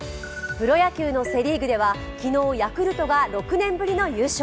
プロ野球のセ・リーグでは昨日、ヤクルトが６年ぶりの優勝。